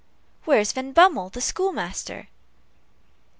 "Where's Van Bummel, the schoolmaster?"